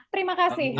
terima kasih pak